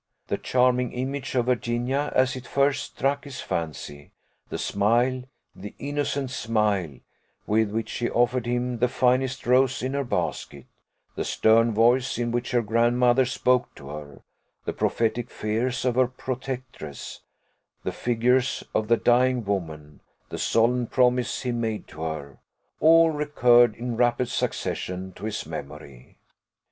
The charming image of Virginia, as it first struck his fancy, the smile, the innocent smile, with which she offered him the finest rose in her basket, the stern voice in which her grandmother spoke to her, the prophetic fears of her protectress, the figure of the dying woman, the solemn promise he made to her, all recurred, in rapid succession, to his memory.